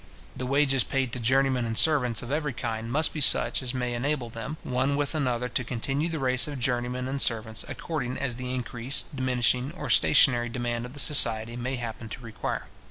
The wages paid to journeymen and servants of every kind must be such as may enable them, one with another to continue the race of journeymen and servants, according as the increasing, diminishing, or stationary demand of the society, may happen to require.